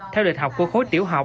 theo đợt học của khối tiểu học